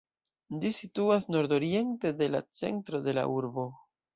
Ĝi situas nordoriente de la centro de la urbo.